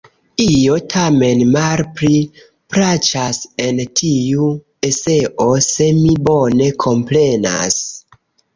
Io tamen malpli plaĉas en tiu eseo, se mi bone komprenas.